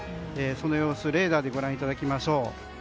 その様子をレーダーでご覧いただきましょう。